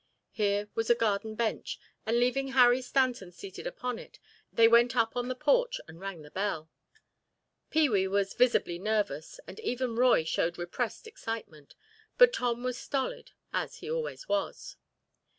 Here was a garden bench and leaving Harry Stanton seated upon it, they went up on the porch and rang the bell. Pee wee was visibly nervous and even Roy showed repressed excitement, but Tom was stolid as he always was.